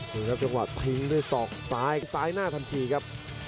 ดูครับจังหวะทิ้งด้วยศอกซ้ายซ้ายหน้าทันทีครับ